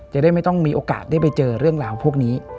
จะได้ไม่ต้องมีโอกาสได้ไปเจอเรื่องราวพวกนี้